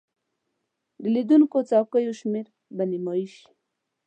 د لیدونکو څوکیو شمیر به نیمایي شي.